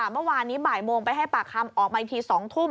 เมื่อวานนี้บ่ายโมงไปให้ปากคำออกมาอีกที๒ทุ่ม